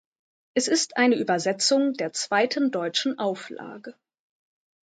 Es ist eine Übersetzung der zweiten deutschen Auflage.